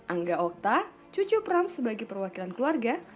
angga okta cucu pram sebagai perwakilan keluarga